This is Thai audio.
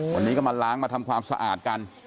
วันนี้ก็มาล้างมาทำความสะอาดกัน